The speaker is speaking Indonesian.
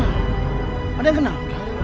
ada yang kenal